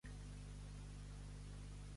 Mori qui fila i qui no fila.